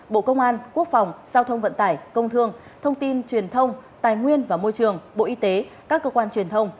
bộ công an quốc phòng giao thông vận tải công thương thông tin truyền thông tài nguyên và môi trường bộ y tế các cơ quan truyền thông